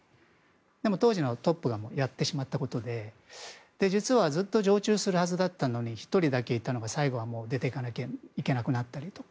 でも当時のトップがやってしまったことで実はずっと常駐するはずだったのに１人だけ最後は出て行かなきゃいけなくなったりとか。